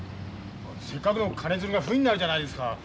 せっかくの金づるがフイになるじゃないですか。